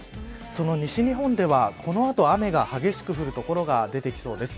その西日本では、この後雨が激しく降る所が出てきそうです。